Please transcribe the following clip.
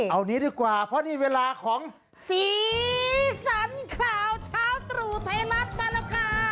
เอานี้ดีกว่าเพราะนี่เวลาของสีสันข่าวเช้าตรู่ไทยรัฐมาแล้วค่ะ